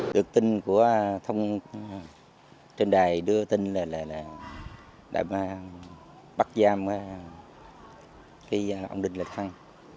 được tin của thông trên đài đưa tin là đảng bắt giam ông đinh la thăng